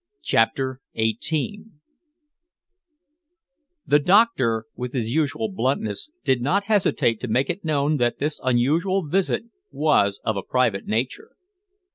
CHAPTER XVIII The doctor, with his usual bluntness, did not hesitate to make it known that this unusual visit was of a private nature.